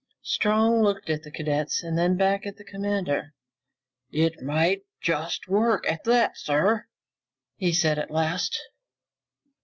Strong looked at the cadets and then back at the commander. "It might just work, at that, sir," he said at last.